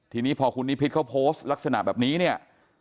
ทีนี้พอคุณนิพิษเขาโพสต์ลักษณะแบบนี้เนี่ย